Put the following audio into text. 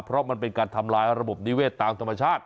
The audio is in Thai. เพราะมันเป็นการทำลายระบบนิเวศตามธรรมชาติ